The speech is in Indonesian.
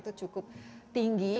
itu cukup tinggi